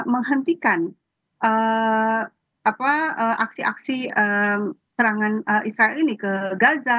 menghentikan aksi aksi serangan israel ini ke gaza